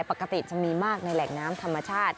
ปกติจะมีมากในแหล่งน้ำธรรมชาติ